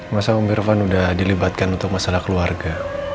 masa sama mirvan udah dilibatkan untuk masalah keluarga